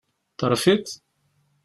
Terfiḍ?